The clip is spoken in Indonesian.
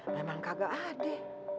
memang kagak ada